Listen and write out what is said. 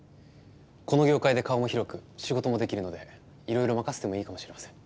この業界で顔も広く仕事もできるのでいろいろ任せてもいいかもしれません。